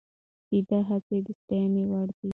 د ده هڅې د ستاینې وړ دي.